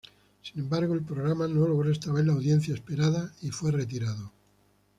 Sin embargo, el programa no logró esta vez la audiencia esperada y fue retirado.